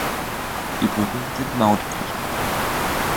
Die Brücken sind mautpflichtig.